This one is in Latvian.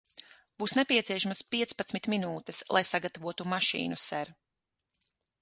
Būs nepieciešamas piecpadsmit minūtes, lai sagatavotu mašīnu, ser.